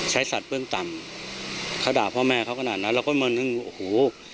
ใช้สัตว์เบื้องต่ำเขาด่าพ่อแม่เขาก็น่ะแล้วก็มานึกโอ้โห